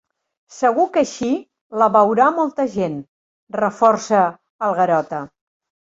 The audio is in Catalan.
Segur que així la veurà molta gent —reforça el Garota—.